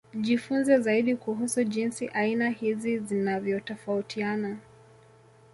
Jifunze zaidi kuhusu jinsi aina hizi zinavyotofautiana